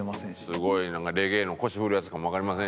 すごいなんかレゲエの腰振るやつかもわかりませんしね。